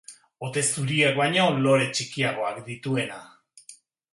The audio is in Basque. Ote zuriak baino lore txikiagoak dituena.